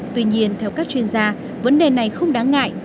tuy nhiên theo các chuyên gia vấn đề này không đáng ngại